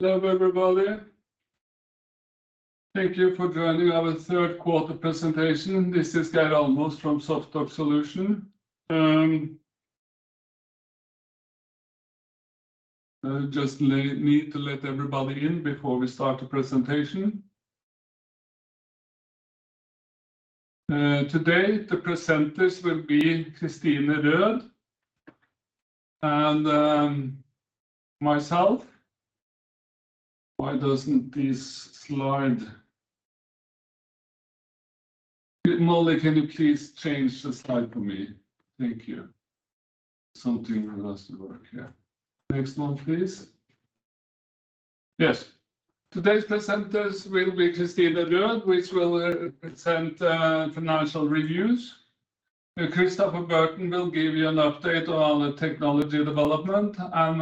Hello, everybody. Thank you for joining our third quarter presentation. This is Geir Almås from SoftOx Solutions. Need to let everybody in before we start the presentation. Today, the presenters will be Kristine Rød and myself. Why doesn't this slide? Molly, can you please change the slide for me? Thank you. Something must work here. Next one, please. Yes. Today's presenters will be Kristine Rød, which will present financial reviews. Christopher Burton will give you an update on the technology development, and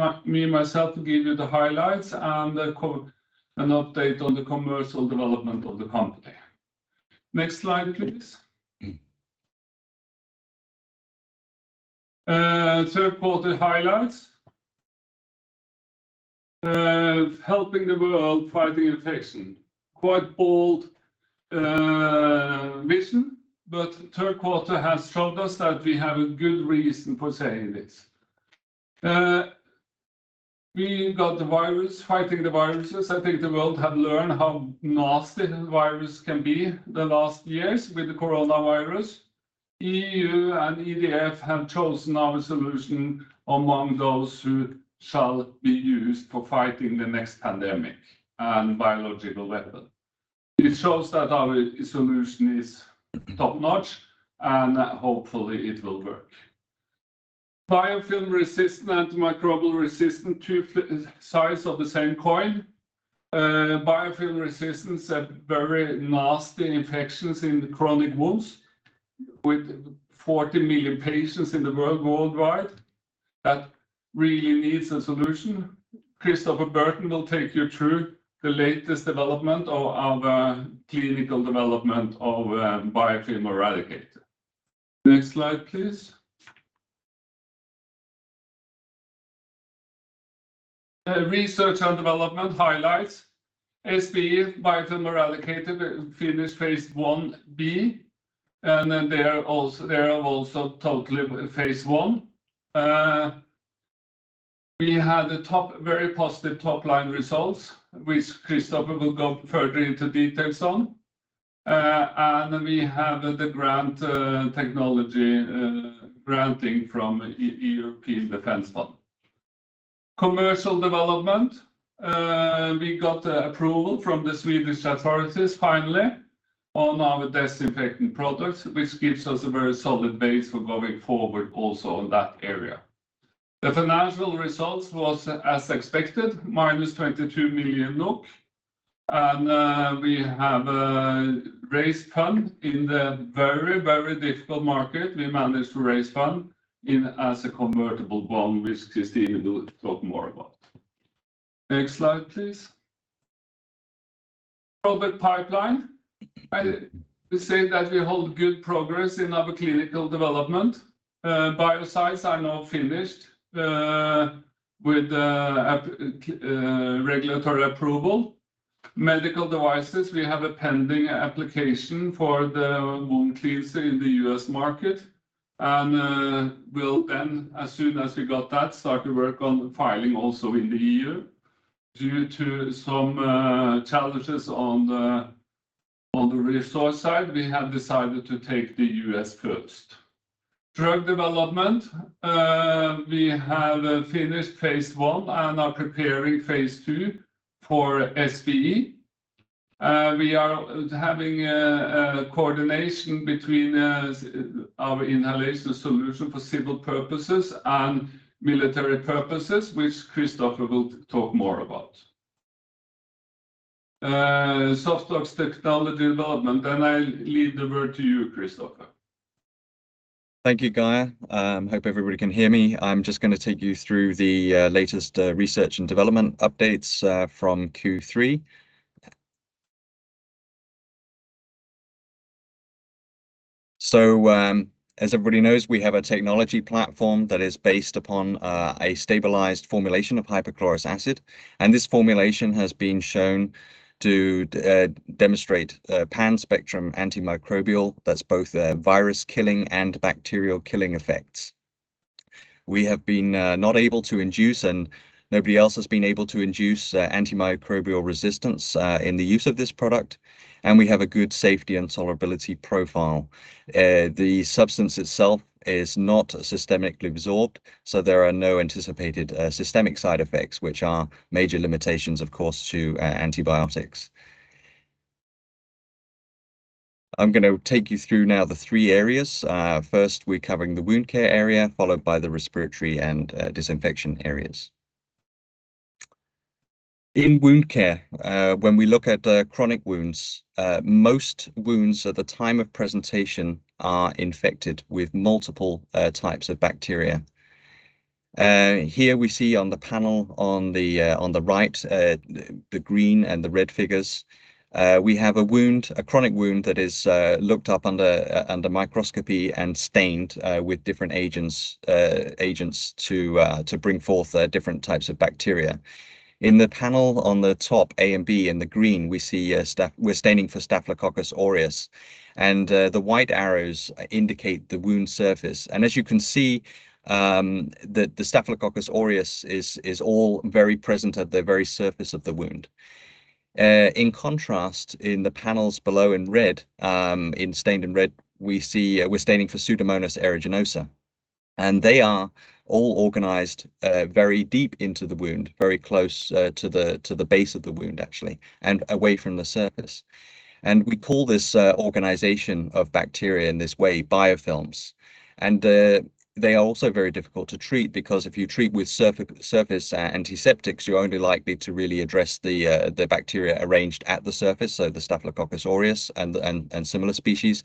myself will give you the highlights and an update on the commercial development of the company. Next slide, please. Third quarter highlights. Helping the world fighting infection. Quite bold vision, but third quarter has showed us that we have a good reason for saying this. We got the virus, fighting the viruses. I think the world have learned how nasty virus can be the last years with the coronavirus. EU and EDF have chosen our solution among those who shall be used for fighting the next pandemic and biological weapon. It shows that our solution is top-notch, and hopefully it will work. Biofilm resistant, antimicrobial resistant, two sides of the same coin. Biofilm resistance have very nasty infections in the chronic wounds with 40 million patients in the world worldwide. That really needs a solution. Christopher Burton will take you through the latest development of our clinical development of Biofilm Eradicator. Next slide, please. Research and development highlights. SBE Biofilm Eradicator finished phase I-B, and then they have also completed phase I. We had very positive top-line results, which Christopher will go further into details on. We have the grant technology granting from the European Defence Fund. Commercial development, we got the approval from the Swedish authorities finally on our disinfectant products, which gives us a very solid base for going forward also in that area. The financial results was as expected, minus 22 million NOK. We have raised fund in the very difficult market. We managed to raise fund as a convertible bond, which Kristine will talk more about. Next slide, please. Product pipeline. I say that we hold good progress in our clinical development. Biocides are now finished with regulatory approval. Medical devices, we have a pending application for the wound cleanser in the U.S. market, and we'll then, as soon as we got that, start to work on filing also in the EU. Due to some challenges on the resource side, we have decided to take the U.S. first. Drug development, we have finished phase I and are preparing phase II for SBE. We are having a coordination between our inhalation solution for civil purposes and military purposes, which Christopher will talk more about. SoftOx's technology development, and I'll leave the word to you, Christopher. Thank you, Geir. Hope everybody can hear me. I'm just gonna take you through the latest research and development updates from Q3. As everybody knows, we have a technology platform that is based upon a stabilized formulation of hypochlorous acid, and this formulation has been shown to demonstrate pan-spectrum antimicrobial that's both virus-killing and bacterial-killing effects. We have been not able to induce, and nobody else has been able to induce, antimicrobial resistance in the use of this product, and we have a good safety and tolerability profile. The substance itself is not systemically absorbed, so there are no anticipated systemic side effects, which are major limitations, of course, to antibiotics. I'm gonna take you through now the three areas. First, we're covering the wound care area, followed by the respiratory and disinfection areas. In wound care, when we look at chronic wounds, most wounds at the time of presentation are infected with multiple types of bacteria. Here we see on the panel on the right, the green and the red figures, we have a wound, a chronic wound that is looked at under microscopy and stained with different agents to bring forth different types of bacteria. In the panel on the top, A and B in the green, we're staining for Staphylococcus aureus, and the white arrows indicate the wound surface. As you can see, the Staphylococcus aureus is all very present at the very surface of the wound. In contrast, in the panels below in red, stained in red, we see, we're staining for Pseudomonas aeruginosa, and they are all organized very deep into the wound, very close to the base of the wound actually, and away from the surface. We call this organization of bacteria in this way biofilms. They are also very difficult to treat because if you treat with surface antiseptics, you're only likely to really address the bacteria arranged at the surface, so the Staphylococcus aureus and similar species.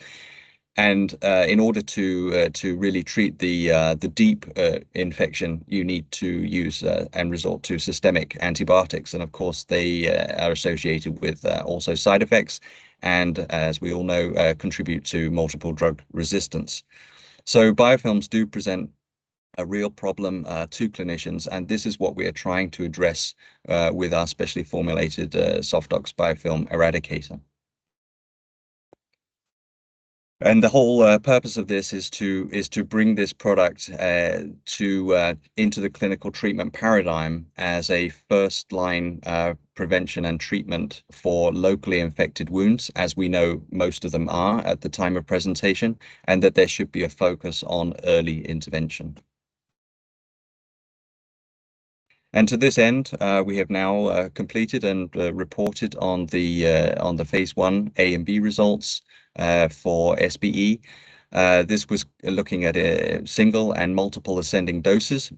In order to really treat the deep infection, you need to use and resort to systemic antibiotics. Of course, they are associated with also side effects and as we all know, contribute to multidrug resistance. Biofilms do present a real problem to clinicians, and this is what we are trying to address with our specially formulated SoftOx Biofilm Eradicator. The whole purpose of this is to bring this product into the clinical treatment paradigm as a first-line prevention and treatment for locally infected wounds, as we know most of them are at the time of presentation, and that there should be a focus on early intervention. To this end, we have now completed and reported on the phase I-A and I-B results for SBE. This was looking at single and multiple ascending doses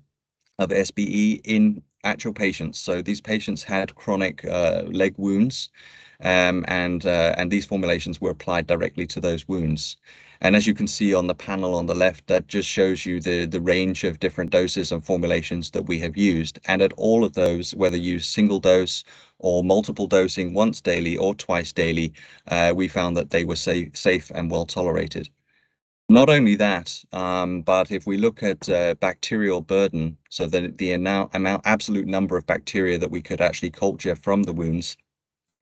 of SBE in actual patients. These patients had chronic leg wounds, and these formulations were applied directly to those wounds. As you can see on the panel on the left, that just shows you the range of different doses and formulations that we have used. At all of those, whether you single dose or multiple dosing once daily or twice daily, we found that they were safe and well-tolerated. Not only that, but if we look at bacterial burden, so the amount, absolute number of bacteria that we could actually culture from the wounds,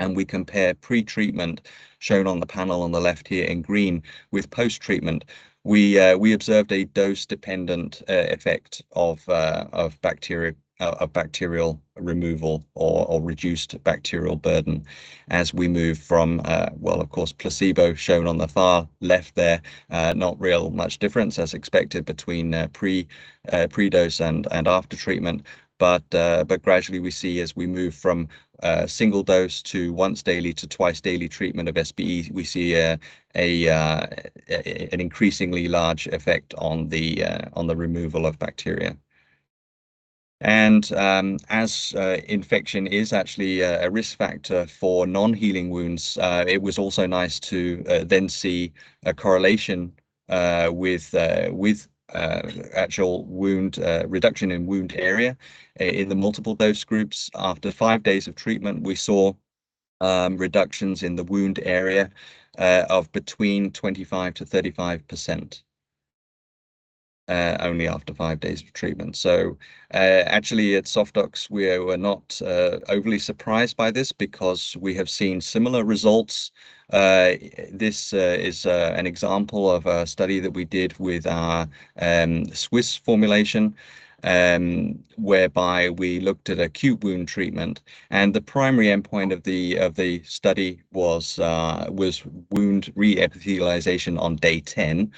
and we compare pretreatment shown on the panel on the left here in green with post-treatment, we observed a dose-dependent effect of bacterial removal or reduced bacterial burden as we move from, well, of course, placebo shown on the far left there, not really much difference as expected between pre-dose and after treatment. Gradually we see as we move from single dose to once daily to twice daily treatment of SBE, we see an increasingly large effect on the removal of bacteria. As infection is actually a risk factor for non-healing wounds, it was also nice to then see a correlation with actual wound reduction in wound area. In the multiple dose groups, after five days of treatment, we saw reductions in the wound area of between 25%-35%, only after five days of treatment. Actually at SoftOx, we are not overly surprised by this because we have seen similar results. This is an example of a study that we did with our SoftOx formulation, whereby we looked at acute wound treatment. The primary endpoint of the study was wound re-epithelialization on day 10.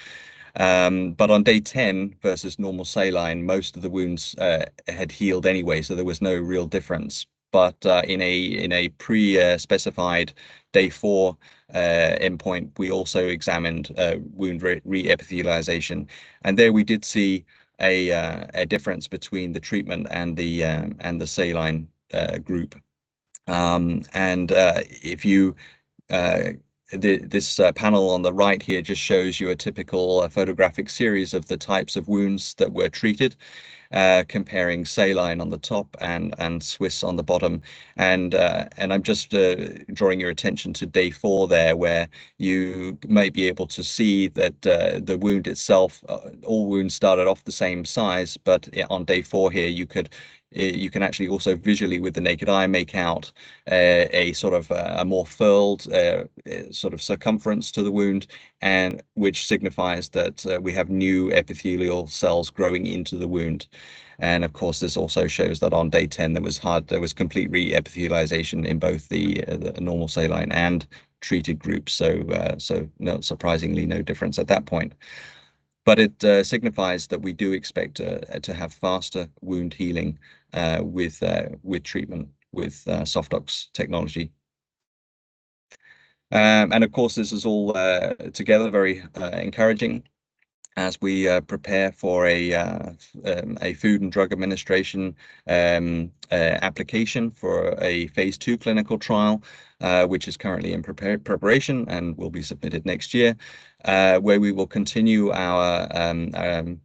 On day 10 versus normal saline, most of the wounds had healed anyway, so there was no real difference. In a prespecified day four endpoint, we also examined wound re-epithelialization. There we did see a difference between the treatment and the saline group. This panel on the right here just shows you a typical photographic series of the types of wounds that were treated, comparing saline on the top and SoftOx on the bottom. I'm just drawing your attention to day four there, where you may be able to see that the wound itself all wounds started off the same size. On day four here, you can actually also visually with the naked eye make out a sort of more furled sort of circumference to the wound and which signifies that we have new epithelial cells growing into the wound. Of course, this also shows that on day 10, there was complete re-epithelialization in both the normal saline and treated groups. Not surprisingly, no difference at that point. It signifies that we do expect to have faster wound healing with treatment with SoftOx technology. Of course, this is all together very encouraging as we prepare for a Food and Drug Administration application for a phase II clinical trial, which is currently in preparation and will be submitted next year, where we will continue our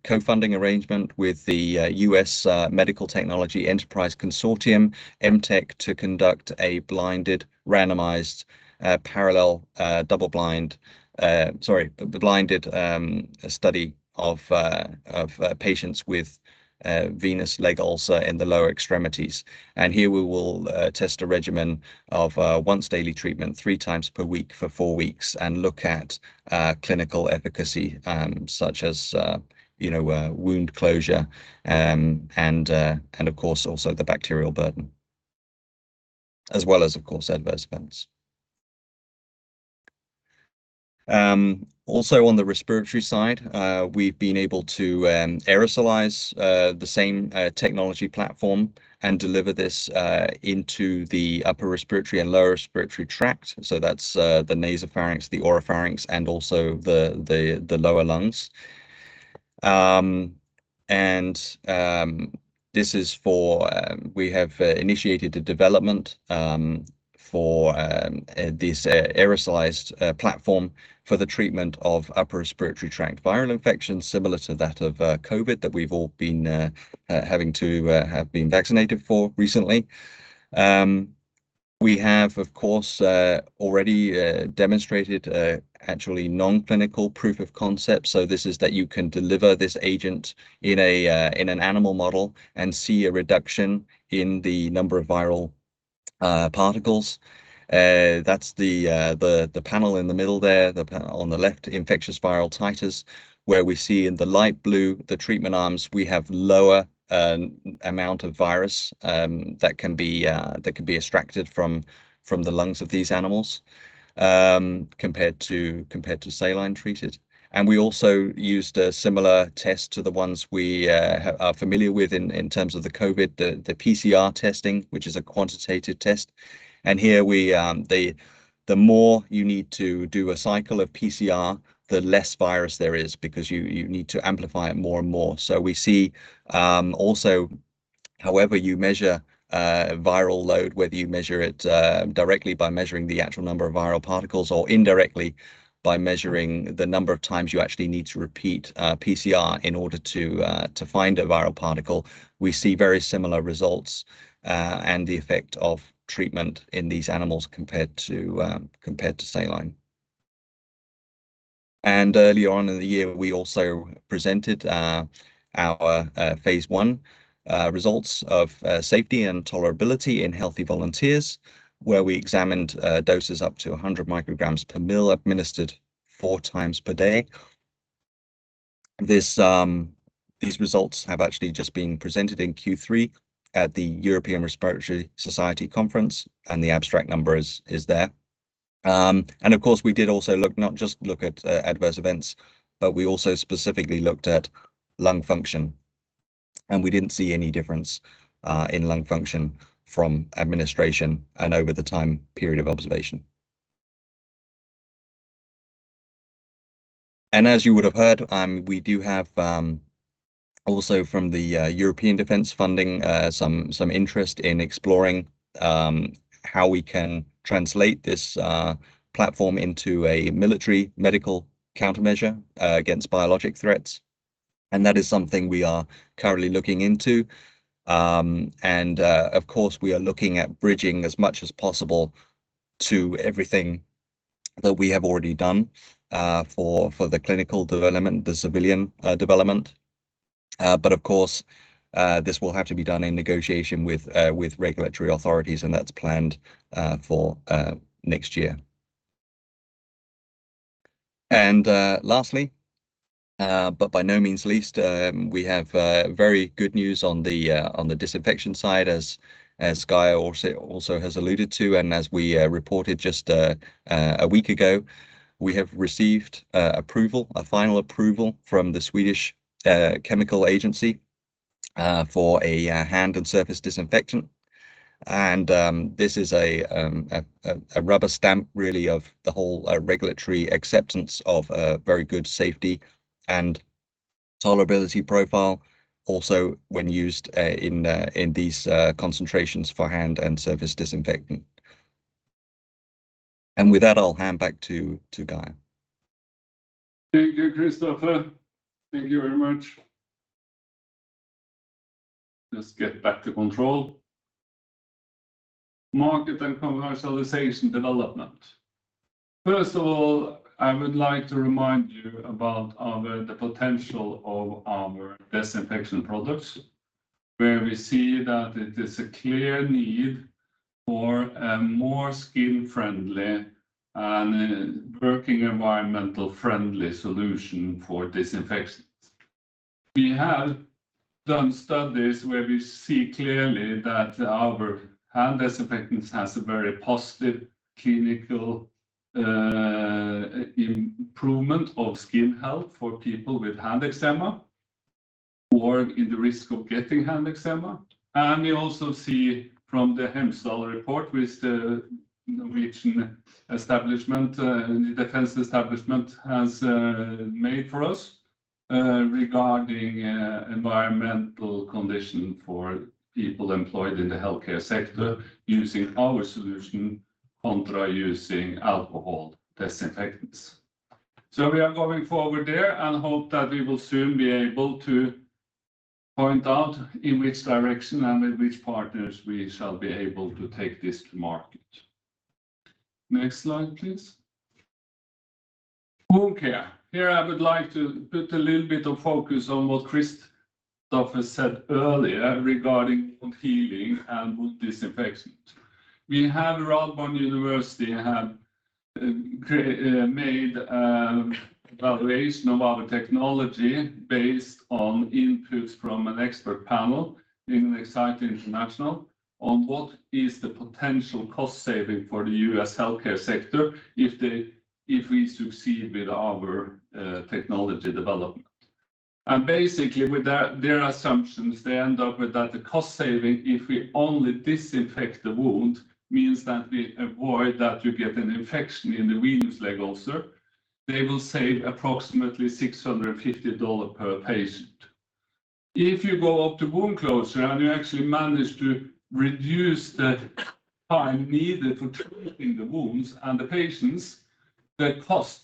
co-funding arrangement with the U.S. Medical Technology Enterprise Consortium, MTEC, to conduct a blinded, randomized, parallel, double-blinded study of patients with venous leg ulcer in the lower extremities. Here we will test a regimen of once daily treatment three times per week for four weeks and look at clinical efficacy, such as you know wound closure, and of course also the bacterial burden, as well as of course adverse events. Also on the respiratory side, we've been able to aerosolize the same technology platform and deliver this into the upper respiratory and lower respiratory tract. That's the nasopharynx, the oropharynx and also the lower lungs. We have initiated the development for this aerosolized platform for the treatment of upper respiratory tract viral infections similar to that of COVID that we've all been having to have been vaccinated for recently. We have, of course, already demonstrated actually non-clinical proof of concept. This is that you can deliver this agent in an animal model and see a reduction in the number of viral particles. That's the panel in the middle there. The panel on the left, infectious viral titers where we see in the light blue the treatment arms. We have lower amount of virus that can be extracted from the lungs of these animals compared to saline treated. We also used a similar test to the ones we are familiar with in terms of the COVID, the PCR testing, which is a quantitative test. Here we the more you need to do a cycle of PCR, the less virus there is because you need to amplify it more and more. We see also however you measure viral load, whether you measure it directly by measuring the actual number of viral particles or indirectly by measuring the number of times you actually need to repeat PCR in order to find a viral particle, we see very similar results and the effect of treatment in these animals compared to saline. Early on in the year, we also presented our phase I results of safety and tolerability in healthy volunteers, where we examined doses up to 100 micrograms per ml administered four times per day. These results have actually just been presented in Q3 at the European Respiratory Society conference, and the abstract number is there. Of course, we also looked not just at adverse events, but we also specifically looked at lung function, and we didn't see any difference in lung function from administration and over the time period of observation. As you would have heard, we do have also from the European Defence Fund some interest in exploring how we can translate this platform into a military medical countermeasure against biologic threats, and that is something we are currently looking into. Of course, we are looking at bridging as much as possible to everything that we have already done for the clinical development, the civilian development. Of course, this will have to be done in negotiation with regulatory authorities and that's planned for next year. Lastly, but by no means least, we have very good news on the disinfection side as Geir Almås also has alluded to and as we reported just a week ago. We have received approval, a final approval from the Swedish Chemicals Agency, for a hand and surface disinfectant. This is a rubber stamp really of the whole regulatory acceptance of a very good safety and tolerability profile also when used in these concentrations for hand and surface disinfectant. With that, I'll hand back to Geir Almås. Thank you, Christopher. Thank you very much. Just get back to control. Market and commercialization development. First of all, I would like to remind you about our, the potential of our disinfection products, where we see that it is a clear need for a more skin-friendly and working environmental friendly solution for disinfectants. We have done studies where we see clearly that our hand disinfectants has a very positive clinical improvement of skin health for people with hand eczema or in the risk of getting hand eczema. We also see from the HEMIL report with the Norwegian Defence Research Establishment has made for us regarding environmental condition for people employed in the healthcare sector using our solution contra using alcohol disinfectants. We are going forward there and hope that we will soon be able to point out in which direction and with which partners we shall be able to take this to market. Next slide, please. Wound care. Here, I would like to put a little bit of focus on what Christopher said earlier regarding wound healing and wound disinfection. We have Radboud University have made evaluation of our technology based on inputs from an expert panel in Xcite International on what is the potential cost saving for the U.S. healthcare sector if we succeed with our technology development. Basically, with their assumptions, they end up with that the cost saving, if we only disinfect the wound, means that we avoid that you get an infection in the venous leg ulcer, they will save approximately $650 per patient. If you go up to wound closure and you actually manage to reduce the time needed for treating the wounds and the patients, the cost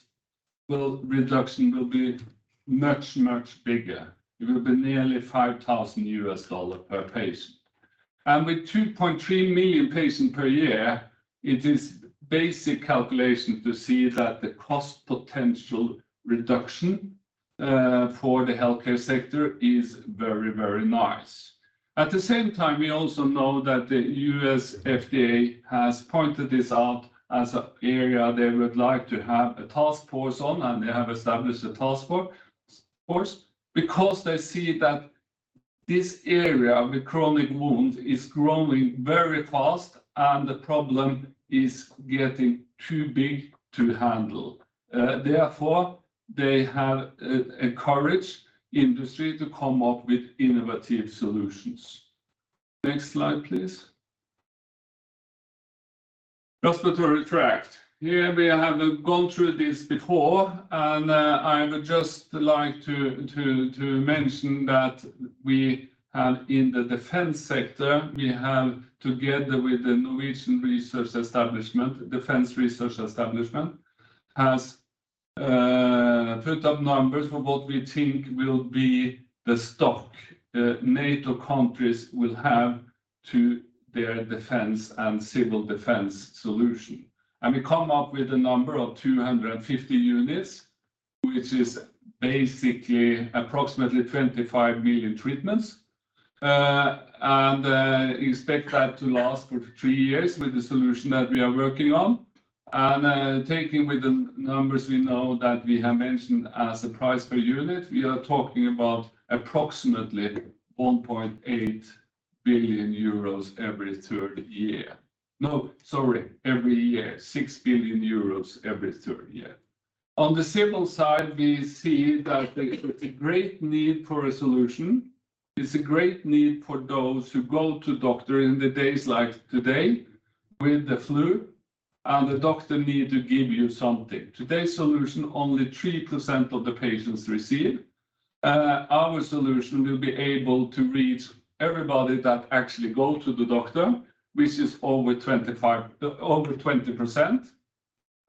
reduction will be much, much bigger. It will be nearly $5,000 per patient. With 2.3 million patients per year, it is basic calculation to see that the cost potential reduction for the healthcare sector is very, very nice. At the same time, we also know that the U.S. FDA has pointed this out as an area they would like to have a task force on, and they have established a task force because they see that this area with chronic wound is growing very fast, and the problem is getting too big to handle. Therefore, they have encouraged industry to come up with innovative solutions. Next slide, please. Respiratory tract. Here, we have gone through this before, and I would just like to mention that we have in the defense sector, we have together with the Norwegian Defence Research Establishment has put up numbers for what we think will be the stock NATO countries will have to their defense and civil defense solution. We come up with a number of 250 units, which is basically approximately 25 million treatments. Expect that to last for three years with the solution that we are working on. Taking with the numbers we know that we have mentioned as a price per unit, we are talking about approximately 1.8 billion euros every third year. No, sorry, every year. 6 billion euros every third year. On the civil side, we see that there's a great need for a solution. There's a great need for those who go to doctor in the days like today with the flu, and the doctor need to give you something. Today's solution, only 3% of the patients receive. Our solution will be able to reach everybody that actually go to the doctor, which is over 20%. The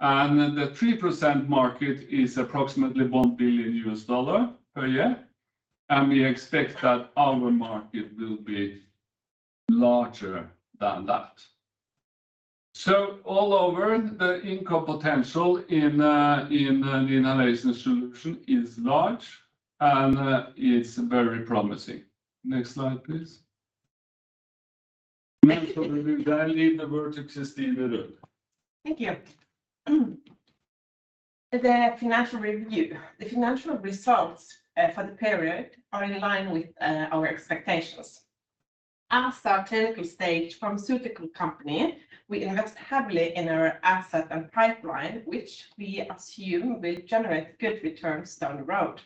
3% market is approximately $1 billion per year, and we expect that our market will be larger than that. Overall, the income potential in the inhalation solution is large, and it's very promising. Next slide, please. With that I leave the word to Kristine Rød. Thank you. The financial review. The financial results for the period are in line with our expectations. As a clinical-stage pharmaceutical company, we invest heavily in our asset and pipeline, which we assume will generate good returns down the road.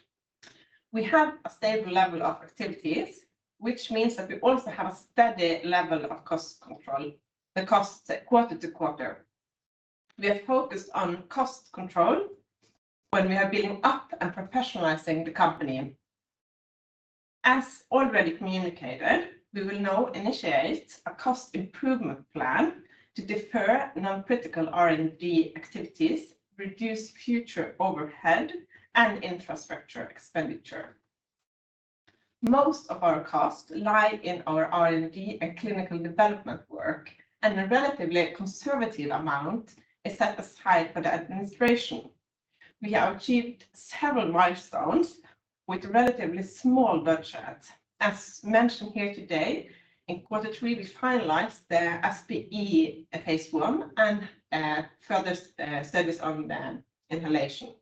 We have a stable level of activities, which means that we also have a steady level of cost control, the costs quarter to quarter. We are focused on cost control when we are building up and professionalizing the company. As already communicated, we will now initiate a cost improvement plan to defer non-critical R&D activities, reduce future overhead and infrastructure expenditure. Most of our costs lie in our R&D and clinical development work, and a relatively conservative amount is set aside for the administration. We have achieved several milestones with relatively small budget. As mentioned here today, in quarter three, we finalized the SBE phase I and further studies on the inhalation.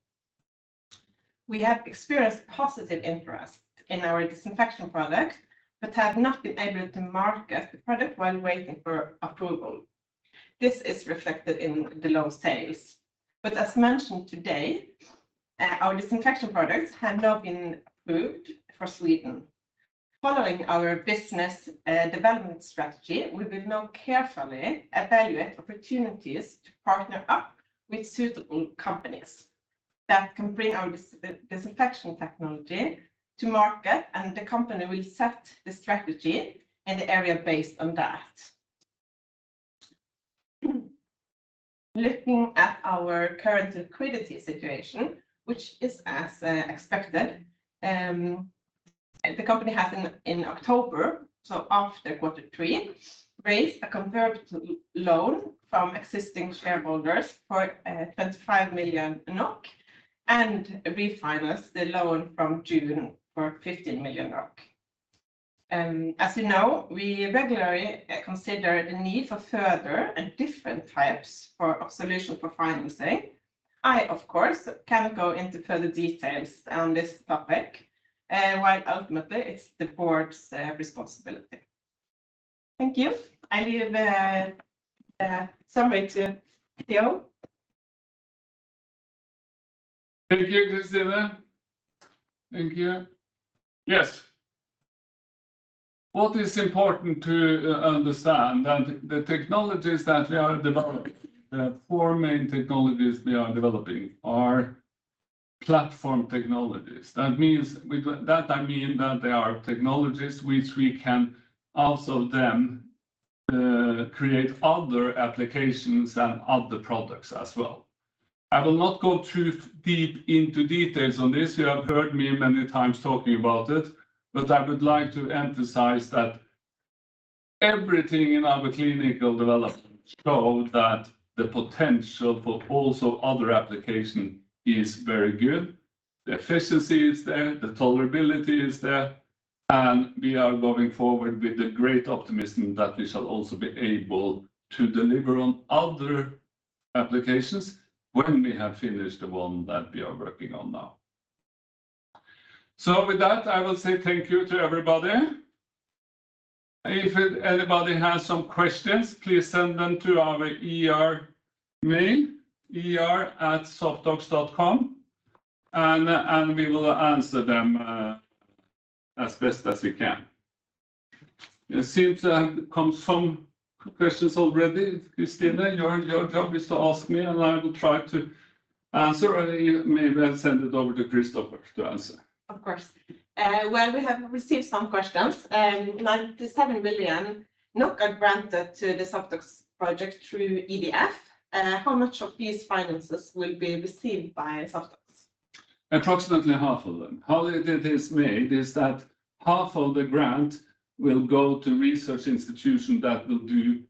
We have experienced positive interest in our disinfection product but have not been able to market the product while waiting for approval. This is reflected in the low sales. As mentioned today, our disinfection products have now been approved for Sweden. Following our business development strategy, we will now carefully evaluate opportunities to partner up with suitable companies that can bring our disinfection technology to market, and the company will set the strategy in the area based on that. Looking at our current liquidity situation, which is as expected, the company has in October, so after quarter three, raised a convertible loan from existing shareholders for 25 million NOK and refinanced the loan from June for 15 million NOK. As you know, we regularly consider the need for further and different types for a solution for financing. I, of course, cannot go into further details on this topic, while ultimately it's the board's responsibility. Thank you. I leave summary to CEO. Thank you, Kristine. Thank you. Yes. What is important to understand that the technologies that we are developing, the four main technologies we are developing are platform technologies. With that I mean that they are technologies which we can also then create other applications and other products as well. I will not go too deep into details on this. You have heard me many times talking about it. I would like to emphasize that everything in our clinical development show that the potential for also other application is very good. The efficiency is there, the tolerability is there, and we are going forward with the great optimism that we shall also be able to deliver on other applications when we have finished the one that we are working on now. With that, I will say thank you to everybody. If anybody has some questions, please send them to our IR mail, ir@soft-ox.com, and we will answer them as best as we can. It seems there have come some questions already. Kristine, your job is to ask me, and I will try to answer, or maybe I'll send it over to Christopher to answer. Of course. We have received some questions. 97 million are granted to the SoftOx project through EDF. How much of these finances will be received by SoftOx? Approximately half of them. How it is made is that half of the grant will go to research institution that will do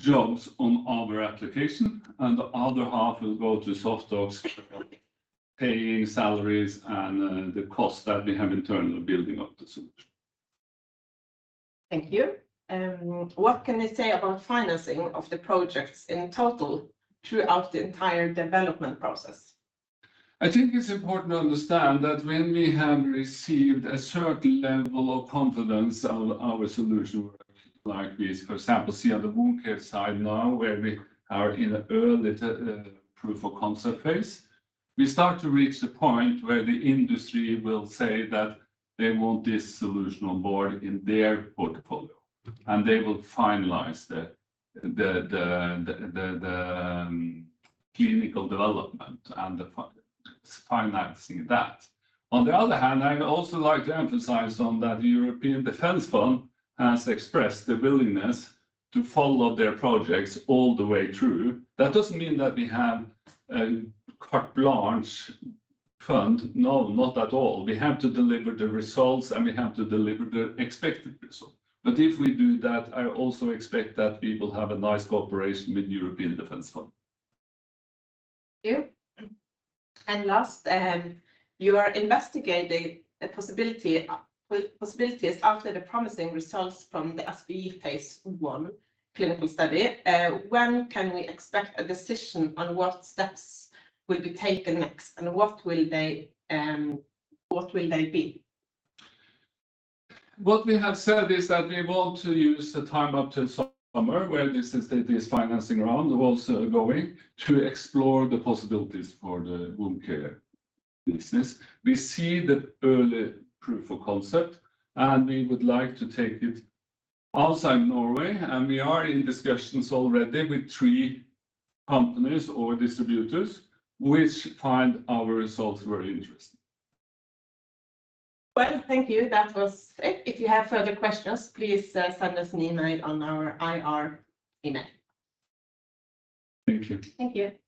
jobs on our application, and the other half will go to SoftOx paying salaries and the cost that we have internal building up the solution. Thank you. What can you say about financing of the projects in total throughout the entire development process? I think it's important to understand that when we have received a certain level of confidence on our solution like this, for example see on the wound care side now, where we are in a early to proof of concept phase. We start to reach the point where the industry will say that they want this solution on board in their portfolio, and they will finalize the clinical development and the financing that. On the other hand, I'd also like to emphasize on that the European Defence Fund has expressed the willingness to follow their projects all the way through. That doesn't mean that we have a carte blanche fund. No, not at all. We have to deliver the results, and we have to deliver the expected result. If we do that, I also expect that we will have a nice cooperation with European Defense Fund. Thank you. Last, you are investigating possibilities after the promising results from the SIS phase I clinical study. When can we expect a decision on what steps will be taken next, and what will they be? What we have said is that we want to use the time up to summer, where this financing round also going, to explore the possibilities for the wound care business. We see the early proof of concept, and we would like to take it outside Norway, and we are in discussions already with three companies or distributors which find our results very interesting. Well, thank you. That was it. If you have further questions, please send us an email on our IR email. Thank you. Thank you.